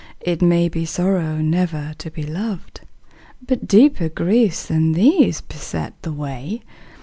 It may be sorrow never to be loved, But deeper griefs than these beset the way.